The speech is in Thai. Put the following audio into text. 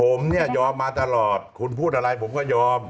ผมเนี่ยยอมมาตลอดคุณพูดอะไรผมก็ยอม